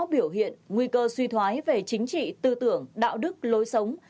biểu hiện nguy cơ suy thoái về chính trị tư tưởng đạo đức lối sống